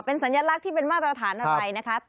เป็นสัญลักษณ์ที่เป็นมาตรฐานอะไรนะคะ